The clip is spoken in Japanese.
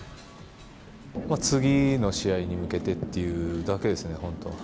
次の試合に向けてっていうだけですね、本当。